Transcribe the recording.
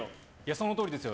そのとおりですよ。